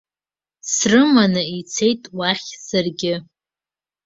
Срыманы ицеит уахь саргьы.